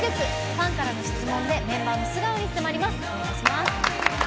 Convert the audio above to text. ファンからの質問でメンバーの素顔に迫ります。